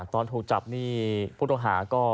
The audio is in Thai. ตอนถูกจับนี่ผู้ต้องหาก็